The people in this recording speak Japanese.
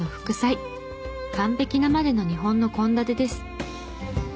完璧なまでの日本の献立です。